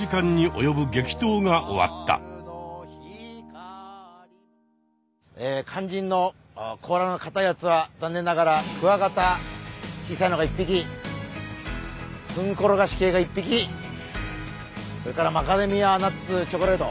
かんじんのこうらのかたいやつは残念ながらクワガタ小さいのが１ぴきフンコロガシ系が１ぴきそれからマカダミアナッツチョコレート。